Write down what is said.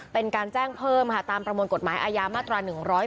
เป็นการแจ้งเพิ่มค่ะตามประมวลกฎหมายอาญามาตรา๑๔